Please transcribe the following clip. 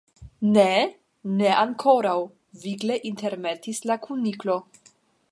"Ne, ne ankoraŭ," vigle intermetis la Kuniklo.